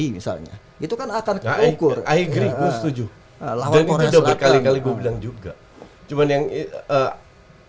misalnya itu kan akan kekurang air krim tujuh belas lalu korea serat kali kali bilang juga cuman yang eh